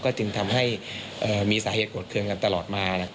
ก็จึงทำให้มีสาเหตุกดเคลื่อนกันตลอดมานะครับ